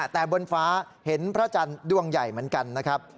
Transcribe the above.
แต่บนฟ้าเห็นพระจันทร์ดวงใหญ่เหมือนกันนะครับ